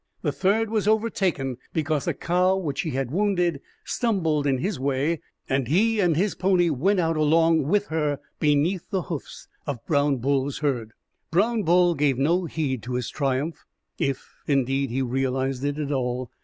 The third was overtaken because a cow which he had wounded stumbled in his way, and he and his pony went out along with her beneath the hoofs of Brown Bull's herd. Brown Bull gave no heed to his triumph, if, indeed, he realized it at all.